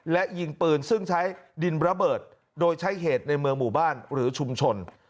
และยิงปืนซึ่งใช้ดินระเบิดโดยใช้เหตุในเมืองหมู่บ้านหรือชุมชน